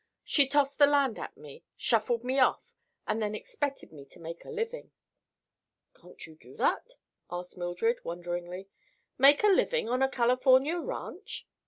She tossed the land at me, shuffled me off, and then expected me to make a living." "Can't you do that?" asked Mildred wonderingly. "Make a living on a California ranch!"